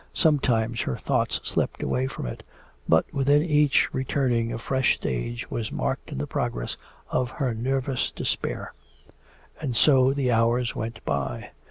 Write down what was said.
Sometimes her thoughts slipped away from it, but with each returning a fresh stage was marked in the progress of her nervous despair. And so the hours went by.